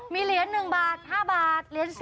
มีเหรียญ๑บาท๕บาทเหรียญ๑๐